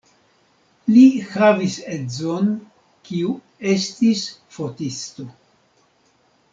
Li havis edzon, kiu estis fotisto.